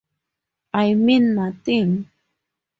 I mean nothing.